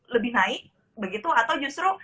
lebih naik begitu atau justru